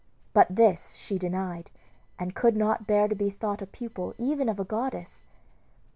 But this she denied, and could not bear to be thought a pupil even of a goddess.